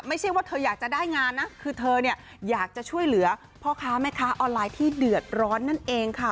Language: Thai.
ไม่ใช่ว่าเธออยากจะได้งานนะคือเธอเนี่ยอยากจะช่วยเหลือพ่อค้าแม่ค้าออนไลน์ที่เดือดร้อนนั่นเองค่ะ